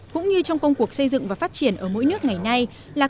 cũng như trong công cuộc xây dựng và phát triển ở mỗi nước ngày nay